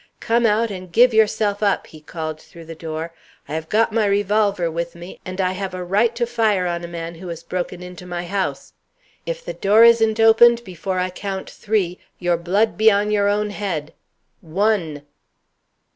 "Come out, and give yourself up!" he called through the door. "I have got my revolver with me, and I have a right to fire on a man who has broken into my house. If the door isn't opened before I count three, your blood be on your own head. One!"